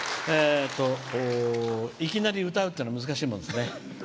いきなり歌うっていうのは難しいもんですね。